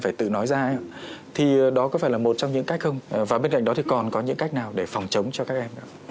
phải tự nói ra thì đó có phải là một trong những cách không và bên cạnh đó thì còn có những cách nào để phòng chống cho các em ạ